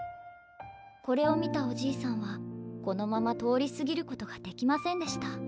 これを見たおじいさんはこのまま通り過ぎることができませんでした。